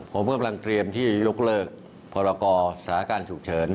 ผมกำลังเตรียมที่ยกเลิกพรกรสถานการณ์ฉุกเฉิน